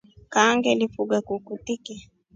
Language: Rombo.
Kaa ngefuga nguku tiki.